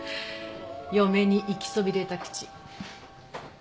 嫁に行きそびれたクチ。